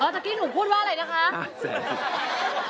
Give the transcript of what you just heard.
เมื่อกี้หนูพูดว่าอะไรนะคะ